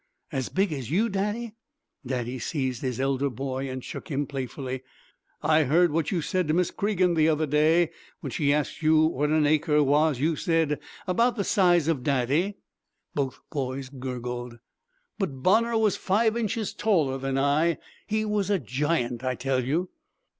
"As big as you, Daddy?" Daddy seized his elder boy and shook him playfully. "I heard what you said to Miss Cregan the other day. When she asked you what an acre was you said 'About the size of Daddy.'" Both boys gurgled. "But Bonner was five inches taller than I. He was a giant, I tell you."